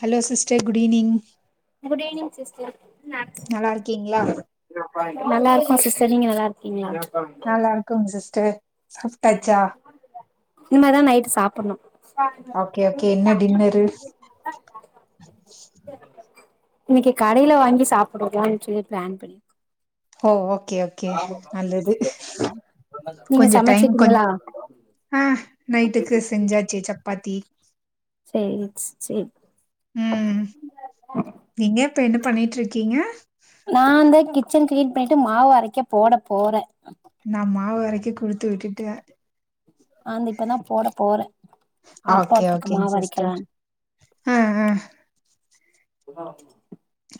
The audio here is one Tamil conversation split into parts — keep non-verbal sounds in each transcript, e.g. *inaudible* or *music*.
Hello sister good evening good evening sister நல்லாருக்கீங்ளா நல்லா இருக்கோ சிஸ்டர் நீங்க நல்லா இருக்கீங்ளா நல்லா இருக்கோ சிஸ்டர் சாப்டாச்சா இனிமே தா நைட்டு சாப்புட்ணு ஓகே ஓகே என்ன டின்னரு இன்னைக்கு கடையில வாங்கி சாப்பிடலான்னு சொல்லி பிளான் பண்ணி ஓ ஓகே ஓகே நல்லது நீங்க கொஞ்சோ டைம் கொஞ் சமைச்சிட்டீங்களா ம் நைட்டுக்கு செஞ்சாச்சு சப்பாத்தி சேரி சேரி ம் நீங்க இப்ப என்ன பண்ணிட்டு இருக்கீங்க நா இந்த கிச்சன் கிளீன் பண்ணிட்டு மாவு அரைக்க போட போறே நா மாவு அரைக்க குடுத்து விட்டுட்டு நா இப்பதா போட போறே ஆப்பாத்துக்கு மாவு அரைக்கலான்னு ஹ அ புசா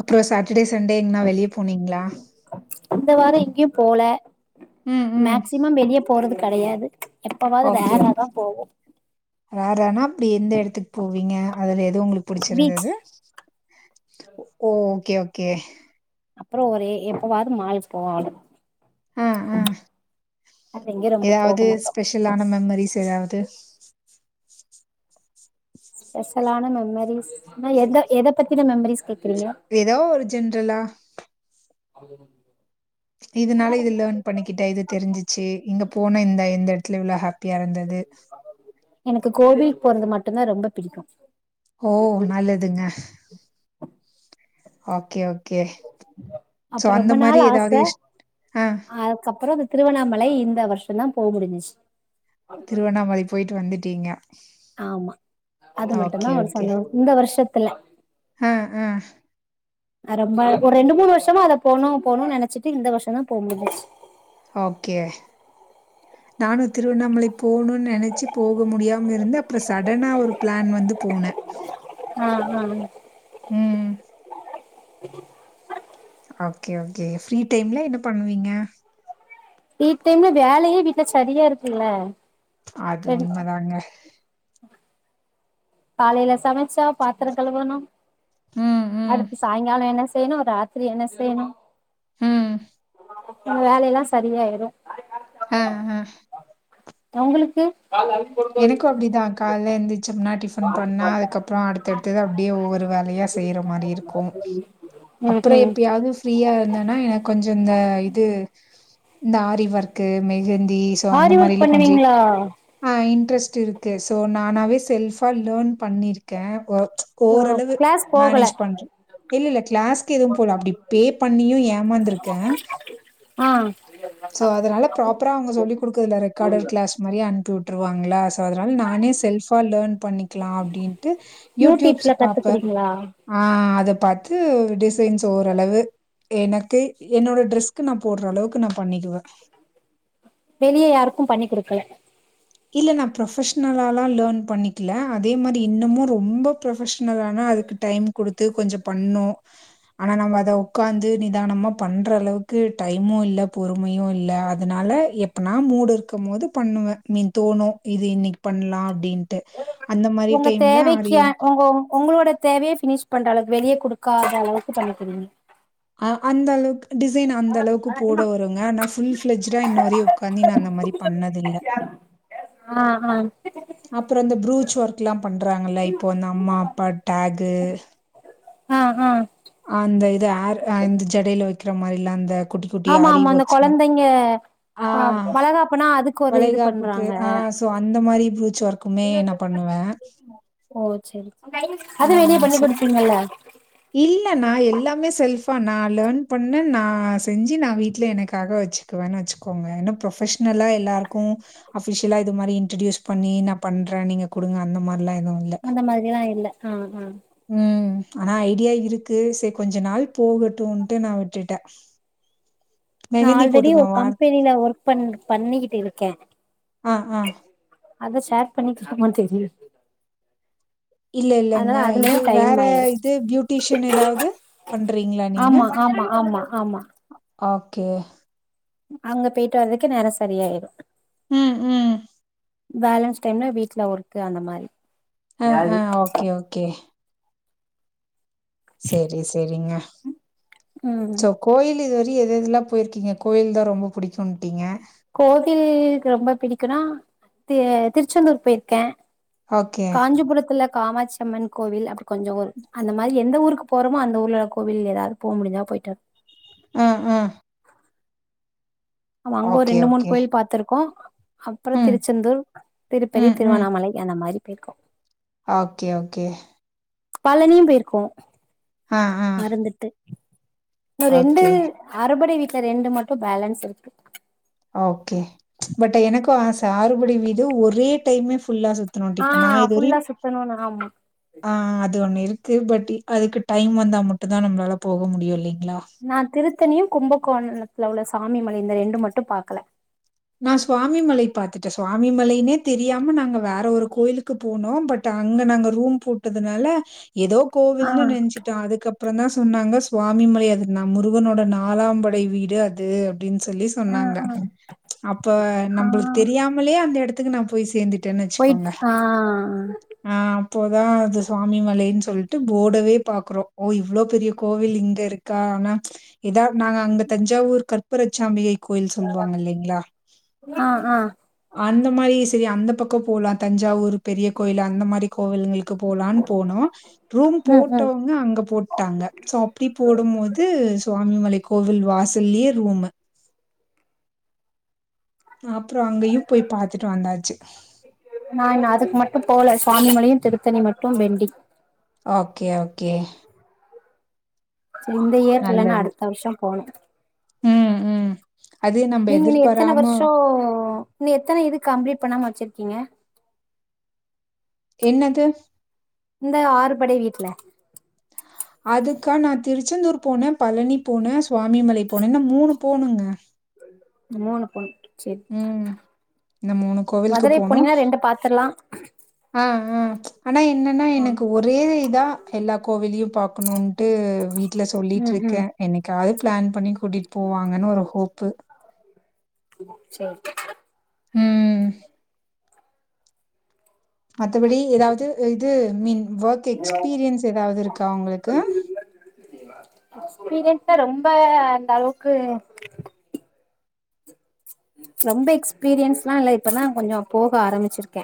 அப்றோ சாட்டடே சண்டே எங்கன்னா வெளிய போனீங்ளா இந்த வாரோ எங்கயு போல ம் ம் மேக்சிமம் வெளிய போறது கிடையாது போகுதா வீணா தா போவு வேறனா அப்டி எந்த எடத்துக்கு போவீங்க அதுல எது உங்களுக்கு பீச் புடிச்சிருந்தது ஓஹ் ஓகே ஓகே அப்புறோ ஒரு எப்பவாவது மால்க்கு போவோ ஆ ஆ வேற எங்கயு ரொம்ப போக எதாவ்து மாட்டோ ஸ்பெஷலான மெமரிஸ் எதாவ்து ஸ்பெஷலான மெமரிஸ் நா எந்த எத பத்தின மெமரிஸ் கேக்குறீங்க எதோ ஒரு ஜென்ரலா அதுக்கெல்லாம் பண்றது இதுனால இது லர்ன் பண்ணிக்கிட்டே இது தெரிஞ்சிச்சு இங்க போனே இந்தா எந்த இடத்துல இவ்ளவு ஹாப்பியா இருந்தது எனக்கு கோவில் போறது மட்டும்தா ரொம்ப பிடிக்கு ஓ நல்லதுங்க ஓகே ஓகே சோ அப்ப அந்த ரொம்ப மாரி நாள் ஆச எதாவ்து ஆ அதுக்கப்புறோ திருவண்ணாமலை இந்த வருஷந்தா போ முடிஞ்சிச் திருவண்ணாமலை போய்ட்டு வந்துட்டீங்க ஆமா அது ஓகே மட்டுந்தா ஒரு ஓகே. சந்தோ இந்த வருஷத்துல ஆ ஆ அ ரொம்ப ஒரு ரெண்டு மூணு வருஷமா அத போணு போணுன் நெனச்சிட்டு இந்த வருஷந்தா போ முடிஞ்ச்சு ஓகே நானு திருவண்ணாமலை போணூன் நெனச்சு போக முடியாம இருந்து அப்பற சடனா ஒரு ப்ளான் வந்து போன அ அ ம் ஓகே ஓகே ஃப்ரீ டைம்ல என்ன பண்ணுவீங்க ஃப்ரீ டைம்ல வேலையே வீட்ல சரியா இருக்குல்ல அது உண்மதாங்க காலையில சமச்சா பாத்திர கழுவணு ம் ம் அடுத்து சாயங்கால என்ன செய்யனு ரா த்திரி என்ன செய்யனு ம். வேலயெல்லா சரியாயிரு ஆ ஆ உங்களுக்கு எனக்கு அப்டிதா கால்த எந்திச்சம்னா டிஃபன் பண்ணு அதுக்கப்றோ அடுத்தடுத்தது அப்டியே ஒவ்வொரு வேலயா செய்ற மாரி இருக்கு‌ ம் அப்புறோ ம் எப்பயாவ்து ஃப்ரீயா இருந்தன்னா எனக்கொஞ்சு இந்த இது இந்த ஆரி வர்க்கு மெஹந்தி சோ அந்த மாரிலா கொஞ்ச ஆ ஆ இன்ட்ரெஸ்ட் இருக்கு ஸோ நானாவே செல்ஃபா லேன் பண்ணியிருக்கே ஒக் ஓ ஓரளவு கிளாஸ் போகல மேனேஜ் பண்ற இல்ல இல்ல க்ளாஸ்க்கு எதுவும் போல அப்டி பே பண்ணியு ஏமாந்துருக்கே ஆ சோ அதனால ப்ராப்பரா அவுங்க சொல்லி குடுக்குற இந்த ரெக்காடு க்ளாஸ் மாரி அன்ப்பிவுட்ருவாங்களா அதுனால நானே செல்ஃபா லேன் பண்ணிக்கலா அப்டீன்ட்டு யூடியூப்ஸ் யூடியூப்ல பாப்பே கத்துக்குறீங்களா ஆ அத பாத்து டிசைன்ஸ் ஓரளவு எனக்கு என்னோட ட்ரெஸ்க்கு நா போட்ற அளவுக்கு நா பண்ணிக்குவே வெளியே யாருக்கும் பண்ணி குடுக்கல இல்ல நா ப்ரொஃப்ஷனலாலா லேன் பண்ணிக்கல அதே மாரி இன்னமு ரொம்ப ப்ரொஃப்ஷனலானா அதுக்கு டைம் குடுத்து கொஞ்சோ பண்ணு ஆனா நம்ம அத உக்காந்து நிதானமா பண்ற அளவுக்கு டைமு இல்ல பொறுமையு இல்ல அதனால எப்பனா மூடு இருக்குமோது பண்ணுவே மீன் தோணு இது இன்னைக்கு பண்லா அப்டின்ட்டு அந்த மாரி உங்க டைம்ல தேவைக்கியா ஆரிவொர்க் உங்க உங்களோட தேவய ஃபினிஷ் பண்றளவுக்கு வெளிய குடுக்காத அளவுக்கு பண்ணிக்கிறீங்க அ அந்தளவுக் டிசைன் அந்தளவுக்கு போட வருங்க ஆனாலஃபுல் ஃப்ளெஜுடா இன்னு வரையு உக்காந்தி நா அந்த மாரி பண்ணதில்ல ஆ ஆ அப்புற இந்த ப்ரூச் ஒர்க்லா பண்றாங்கல்ல இப்போ அந்த அம்மா அப்பா டேகு ஆ ஆ ஆ அந்த இது ஆர் இந்த ஜடையில வெக்கிற மாரில்லா அந்த குட்டி குட்டி ஆமா ஆரி ஆமா இந்த ஒர்க்ஸ் மாரி கொழந்தைங்க ஆ வளகாப்புனா அதுக் வளைகாப்புக்கு ஆ சோ அந்த மாரி ப்ரூச் ஒர்க்குமே நா பண்ணுவ ஓ சேரி சே அது வெளிய பண்ணி சோ குடுப்பீங்கள இல்ல நான் எல்லாமே செல்ஃபா நான் லேர்ன் பண்ண நான் செஞ்சு நான் வீட்லே எனக்காக வச்சு குவன் வச்சுக்கோங்க ஏனா புரொப்ஷ்னலா எல்லாருக்கு அஃபிஷிலா இது மாரி இன்ட்ரடியூஸ் பண்ணி நான் பண்ற நீங்க குடுங்க அந்த மார்லா எதுமே அந்த மாரிலா இல்ல ஆ ஆ ம் ஆனா ஐடியா இருக்கு சேர் கொஞ்ச நாள் போகட்டுன்ட்டு நான் விட்டுட்ட நான் ஆல்ரெடி ஒரு வார் கம்பெனில ஒர்க் பண் பண்ணிக்கிட்டு இருக்கே அ ஆ அத ஷேர் பண்ணிக்குலாமான் தெரில இல்ல இல்லங்க அதுலயு இது டைம் வேற ஆயிரு இது பியூட்டிஷன் எதாவ்து பண்றீங்ளா நீ ஆமா ஆமா ஆமா ஆமா ஓகே அங்க போய்ட்டு வர்துக்கே நேரோ சரியாய்ரு ம் ம் பேலன்ஸ் டைம்ல வீட்ல ஒர்க்கு அந்த மாரி அ அ ஓகே ஓகே செரி செரிங்க ம் கோயிலு இதுவரியு எது எதுலா போயிருக்கீங்க கோயில்தா ரொம்ப புடிக்குன்ட்டீங்க கோவில்க்கு ரொம்ப பிடிக்குனா தி திருச்செந்தூர் போய்ர்க்கே ஓகே. காஞ்சிபுரத்துல காமாட்சியம்மன் கோவில் அப்டி கொஞ்சோ ஒர் அந்த மாரி எந்த ஊருக்கு போறோமோ அந்த ஊர்ல கோவில் எதாது போ முடிஞ்சா போய்ட்டு ம் ம் அங்க ஒரு ஓகே, ரெண்டு மூணு ஓகே. கோயில் பாத்துருக்கோ அப்புறோ ம், திருச்செந்தூர் திருப்பதி ம், ம். திருவண்ணாமலை அந்த மாரி பேய்ர்க்கோ ஓகே ஓகே பழனியு பேய்ர்க்கோ ஆ ஆ மித்து இன்னு ரெண்டு அறுபடை வீட்ல ரெண்டு மட்டு பேலன்ஸ் இருக்கு ஓகே பட் எனக்கு ஆச ஆறுபடை வீடு ஒரே டைமே ஃபுல்லா சுத் துனுன்டு ஆ இப்ப நான் இதுவரையு ஃபுல்லா சுத்தணுனு ஆமா ஆ அது ஒன்னு இருக்கு பட்டு அதுக்கு டைம் வந்தா மட்டுந்தா நம்ளால போக முடியு இல்லைங்ளா நான் திருத்தணியு கும்பகோண்ணத்துல உள்ள சாமிமலை இந்த ரெண்டு மட்டு பாக்கல நான் சுவாமிமலை பாத்துட்ட சுவாமிமலைனே தெரியாம நாங்க வேற ஒரு கோயிலுக்கு போனோ பட் அங்க நாங்க ரூம் போட்டதுனால எதோ ஆ கோவில்னு நென்ச்சிட்டோ அதுக்கப்புறந்தா சொன்னாங்க ஸ் சுவாமிமலை அதுனா முருகனோட நாலாம்படை வீடு அது அப்டின் சொல்லி ஆ சொன்னாங்க ஆ அப்ப ஆ நம்ளுக்கு தெரியாமலே அந்த எடத்துக்கு நான் போய் சேந்துட் டன் போயிட் வச்சுக்கோங்க ஆ ஆ அப்போதா அது சுவாமிமலைன் சொல்ட்டு போடவே பாக்குறோ ஓ இவ்ளோ பெரிய கோவில் இங்க இரு கா ஆனா இதா நாங்க அங்க தஞ்சாவூர் கற்பரச்சாம்பிகை கோயில் சொல்வாங்க இல்லைங் ஆ ஆ அந்த மாரி செரி அந்த பக்கோ போலா தஞ்சாவூரு பெரிய கோயில் அந்த மாரி கோவில்ங்ளு க்கு போலான் போனோம் ரூம் ம் ம் போட்டவங்க அங்க போட்டாங்க சோ அப்டி போடும் மோது சுவாமிமலை கோவில் வாசல்யே ரூமு ஆ அப்றோ அங்கயும் போய் பாத்துட்டு வந்தாச்சு நா இன்னு அதுக்கு மட்டும் போல சுவாமிமலையும் திருத்தணி மட்டும் பெண்டிங் ஓகே ஓகே இந்த இயர்க்கு இல்லன்னா அடுத்த வருஷம் போனும் அ அ நீங்க இன்னு எத்தன வர்ஷோ இன்னு எத்தன இது கம்ப்ளீட் பண்ணாம வச்சிருக்கீங்க என்னது இந்த ஆறுபடை வீட்ல அதுக்கா நா திருச்செந்தூர் போன பழனி போன சுவாமிமலை போன இன்னும் மூணு போணுங்க மூணு போனும் செர் ம். இந்த கோவிலுக்கு மதுரை போனோ. போனீங்னா ரெண்டு பாத்தர்ல்லா ஆ ஆ ஆனா என்னன்னா ஆமா எனக்கு ஒர் ரே இதா எல்லா கோவிலியும் பாக்கணுன்ட்டு வீட்ல ம் சொல்லிட்ருக்க ம் என்னைக்காவ்து பிளான் பண்ணி கூட்டிட் போவாங்கன்னு ஒரு ஹோப்பு இட்ஸ் ஓகே ம் மத்தபடி எதாவ்து இது மீன் ஒர்க் எக்ஸ்பீரியன்ஸ் எதாவ்து இருக்கா உங்குளுக்கு எஸ்பீரியன்ஸ்ஸா ரொம்ப அந்த அளவுக்கு ரொம்ப எக்ஸ்பீரியன்ஸ்லா இல்ல இப்பதா கொஞ்சம் போக ஆரம்பிச்சிருக்க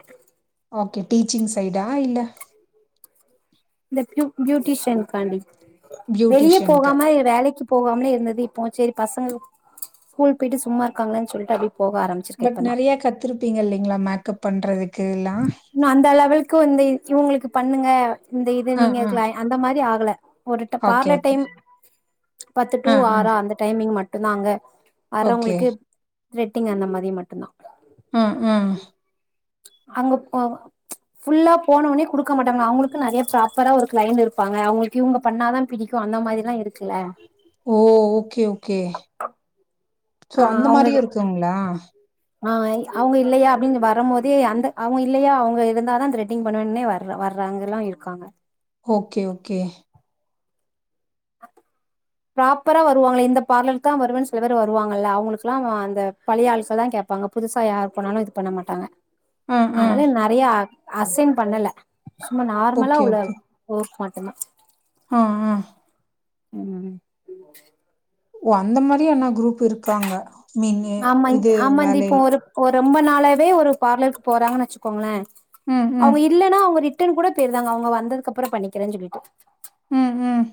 ஓகே டீச்சிங் சைடா இல்ல இந்த பூ பியூட்டிஷியனுகாண்டி வெளிய பியூட்டிஷியனுக்கு போகாம வேலைக்கி போகாமலே இருந்தது இப்போ செரி பசங்க ஸ்கூல் போயிட்டு சும்மா இருக்காங்ளன் சொல்ட்டு அப்டியே போக ஆரம்பி பட் நெறையா கத்திருப்பீங்க இல்லைங்ளா மேக்கப் பண்றதுக்கு எல்லா நா அந்த லெவலுக்கு வந்து இவங்குளுக்கு பண்ணுங்க இந்த இது ஆ நீங்க ஆ இருக்லா அந்த மாரி ஆகல ஒரு tough okay parlour okay time பத்து டூ ஆ ஆ ஆறா அந்த டைமிங் மட்டு தாங்க ஓகே வர்றவங்ளுக்கு த்ரெட்டிங் அந்த மாரி மட்டும் தா அ அ அங்க போ ஃபுல்லா போன ஒன்னே குடுக்க மாட்டாங்கா அவங்குளுக்கும் நெறைய ப்ராப்பரா ஒரு கிளைன்டு இருப்பாங்க அவங்களுக்கு இவங்க பண்ணா தா பிடிக் கும் அந்த மாரில்லா இருக்கு ஓ ஓகே ஓகே சோ ஆ அந்த அவங்க மாரியும் இருக்குங்ளா ஆ அவங்க இல்லயா அப்டின்னு வரும் மோதே அந்த ஆ அவுங்க இல்லையா அவுங்க இருந்தா தா த்ரெட்டிங் பண்ணுவேன்னே வர் வர்றவங்ல்லா இருக்காங்க ஓகே ஓகே ப்ராப்பரா வருவாங்கள இந்த ப்ராப்பரா வருவாங்க இந்த பார்லர் தா வருவேன் சில பேரு வருவாங்கல்ல அவங்ளுக்லா அந்த பழைய ஆளுச தா கேப்பாங்க புதுசா யாரு போனாலும் இது பண்ண மாட்டாங்க ஆ ஆ அத்னால நறைய அசைன் பண்ணல சும்மா நார்மலா ஓகே, உள்ள ஓகே. ஓர்க் மட்டு தா ஆ ஆ ம் ஓ அந்த மாரி என்ன குரூப் இருக்காங்க மீன்னு ஆமா இதே ஆமா இந்த இப்போ வேலைல ஒரு ஒரு ரொம்ப நாளாவே ஒரு பார்லருக்கு போறாங்கன்னு வச்சுக்கோங்களேன் ம் ம் இல்ன்னா அவுங்க ரிட்டர்ன் கூட போயிருவாங்க அவுங்க வந்ததுக்கு அப்புறோம் பண்ணிக்கிறேன்னு சொல்லிட்டு ம் ம்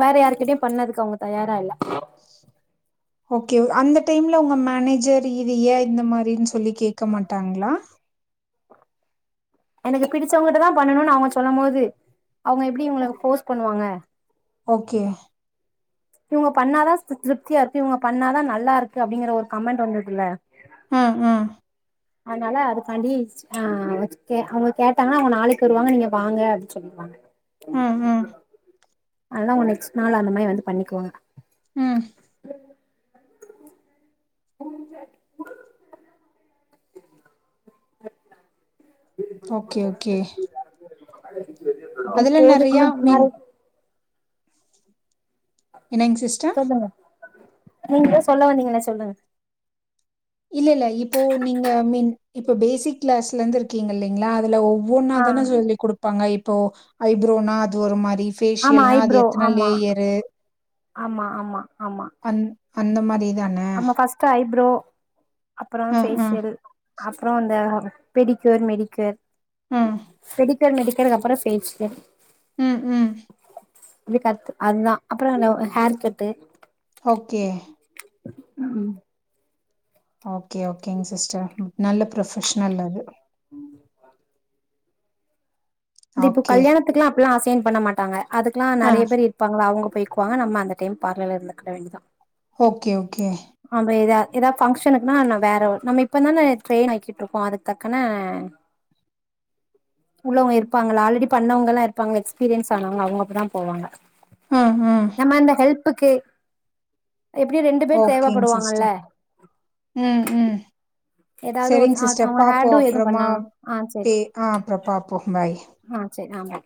வேற யாருகிட்டயும் பண்ணதுக்கு அவுங்க தயாரா இல்ல ஓகே அந்த டைம்ல உங்க மேனேஜர் இது ஏன் இந்த மாரின்னு சொல்லி கேக்க மாட்டாங்களா எனக்கு பிடிச்சவங்ககிட்ட தான் பண்ணணும்னு அவுங்க சொல்லும்மோது அவுங்க எப்டி அவுங்களக் ஃபோர்ஸ் பண்ணுவாங்க ஓகே இவுங்க பண்ணாதான் திருப்தியா இருக்கு இவுங்க பண்ணாதான் நல்லா இருக்கு அப்டிங்கிற ஒரு கமெண்ட் வந்திருக்குல்ல ம் ம் அதனால அதுக்காண்டி ஆ ஆ ஓகே அவுங்க கேட்டாங்கன்னா அவுங்க நாளைக்கு வருவாங்க நீங்க வாங்க அப்டின்னு சொல்லிருவாங்க ம் ம் அதனால அவுங்க நெஸ்ட் நாள் அந்த மாரி வந்து பண்ணிக்குவாங்க ம் *unintelligible* ஓகே ஓகே அதுல நெறையா மீன் *unintelligible* என்னங்க சிஸ்டர்? சொல்லுங்க நீங்களே சொல்ல வந்தீங்கள சொல்லுங்க இல்ல இல்ல இப்போ நீங்க மின் இப்போ பேசிக் கிளாஸ்ல இருந்து இருக்கீங்க இல்லலைங்களா அதுல ஒவ் ஆ ஒவ்வொன்னாதான சொல்லி குடுப்பாங்க இப்போ ஐப்ரோனா அது ஒரு மாரி ஆமா ஃபேஷியல்னா அது ஐப்ரோ எத்தன ஆமா லேயரு ஆமா ஆமா ஆமா அ அந்த மாரி தான த ஐப்ரோ அப்றோம் ம் ம் ஃபேஷியல் அப்றோம் அந்த பெடிக்கூயர் மெடிக்கூயர் ம் பெடிக் கூயர் மெடிக்கூயர் அப்றோம் ஃபேஷியல் ம் ம் இப்டி கத்து அதுதான் அப்றோம் இந்த ஹேர் கட்டு ஓகே ம் ஓகே ஓகேங்க சிஸ்டர் நல்ல ப்ரொபஷனல் அது *inaudible* இந்த இப்போ ஓகே கல்யாணத்துக்குல்லாம் அப்பெல்லாம் அசைன் பண்ண மாட்டாங்க அதுக்கல்லாம் ஆ நறைய பேர் இரு ப்பாங்கள அவுங்க போய்க்குவாங்க நம்ம அந்த டைம் பார்ல இருந்துக்கிட வேண்டியதான் ஓகே ஓகே ஆம ஏதா ஏதாவது ஃபங்க்ஷனுக்குனா வேற நம்ம இப்ப தான ட்ரெயின் ஆக்கிட்டு இருக்கோம் அதுக்கு டக்குன்னு *unintelligible* உள்ளவங்க இருப்பாங்கல ஆல்ரெடி பண்ணவங்கல்லாம இருப்பாங்க எக்ஸ்பீரியன்ஸ் ஆனவங்க அவுங்க மட்டுதான் போவாங்க ம் ம் நம்ம இந்த ஹெல்ப்புக்கு எப்டியோ ரெண்டு பேர் ஓகேங் தேவப்படுவாங்கல சிஸ்டர் ம் ம் ஏதாவது ஒரு செரிங்க ஆ சிஸ்டர் அவங்க பாப்போ ஹேர்டு எதுவு அப்றோமா பண்ணானா ஆ செரி பே ஆ அப்றோம் பாப்போம் பாய் ஆ சேரி ஆமா